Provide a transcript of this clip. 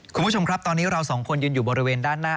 คุณผู้ชมครับตอนนี้เราสองคนยืนอยู่บริเวณด้านหน้า